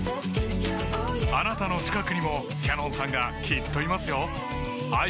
あなたの近くにもＣａｎｏｎさんがきっといますよ